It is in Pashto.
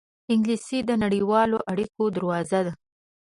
انګلیسي د نړیوالو اړېکو دروازه ده